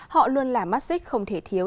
họ luôn là mắt xích không thể thiếu